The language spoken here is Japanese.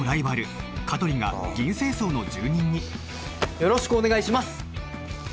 よろしくお願いします！